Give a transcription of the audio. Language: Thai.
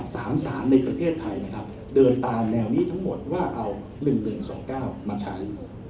สารในประเทศไทยนะครับเดินตามแนวนี้ทั้งหมดว่าเอา๑๑๒๙มาใช้